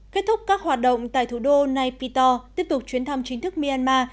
kết thúc các hoạt động tại thủ đô naypyitaw tiếp tục chuyến thăm chính thức myanmar